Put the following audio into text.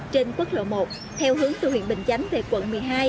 trên quốc lộ một theo hướng từ huyện bình chánh về quận một mươi hai